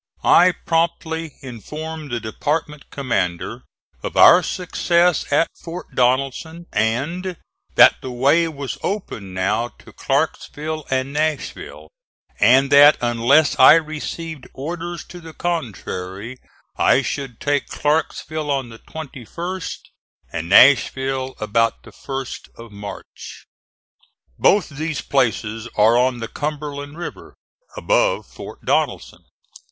I promptly informed the department commander of our success at Fort Donelson and that the way was open now to Clarksville and Nashville; and that unless I received orders to the contrary I should take Clarksville on the 21st and Nashville about the 1st of March. Both these places are on the Cumberland River above Fort Donelson.